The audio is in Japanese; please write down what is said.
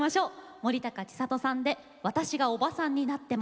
森高千里さんで「私がオバさんになっても」。